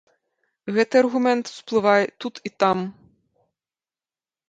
Гэты аргумент усплывае тут і там.